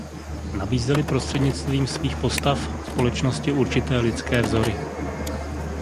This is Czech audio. Nabízely prostřednictvím svých postav společnosti určité lidské vzory.